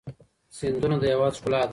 سیندونه د هیواد ښکلا ده.